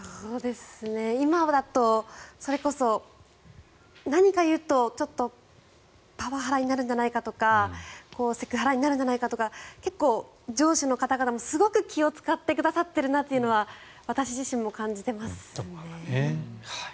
今だとそれこそ何か言うとパワハラになるんじゃないかとかセクハラになるんじゃないかとか上司の方々もすごく気を使ってくださってるなというのは私自身も感じていますね。